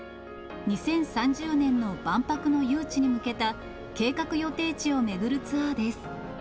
２０３０年の万博の誘致に向けた、計画予定地を巡るツアーです。